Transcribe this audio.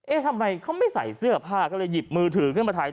ทำไมเขาไม่ใส่เสื้อผ้าก็เลยหยิบมือถือขึ้นมาถ่าย